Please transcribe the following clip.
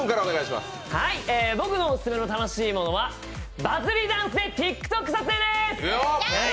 僕のオススメの楽しいものはバズりダンスでＴｉｋＴｏｋ撮影です。